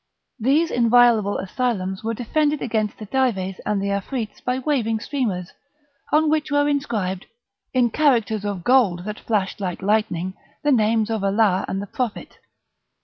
These inviolable asylums were defended against the Dives and the Afrits by waving streamers, on which were inscribed, in characters of gold that flashed like lightning, the names of Allah and the Prophet.